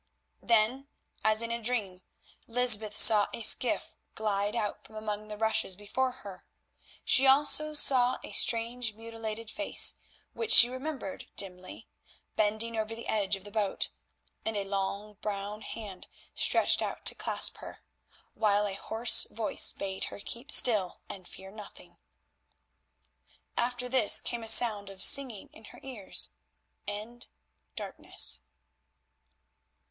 Then, as in a dream, Lysbeth saw a skiff glide out from among the rushes before her. She saw also a strange mutilated face, which she remembered dimly, bending over the edge of the boat, and a long, brown hand stretched out to clasp her, while a hoarse voice bade her keep still and fear nothing. After this came a sound of singing in her ears and—darkness.